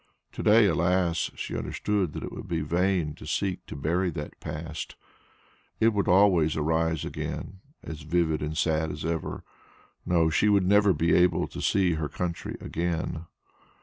To day, alas! she understood that it would be vain to seek to bury that past; it would always rise again as vivid and sad as ever. No, she would never be able to see her country again.